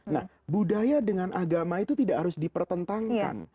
nah budaya dengan agama itu tidak harus dipertentangkan